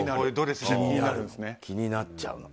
気になっちゃう。